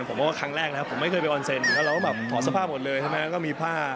ผมว่าครั้งแรกนะครับผมไม่เคยไปออนเซ็นแล้วเราก็แบบถอดเสื้อผ้าหมดเลยใช่ไหมก็มีผ้า